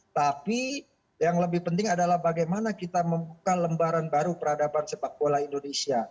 tapi yang lebih penting adalah bagaimana kita membuka lembaran baru peradaban sepak bola indonesia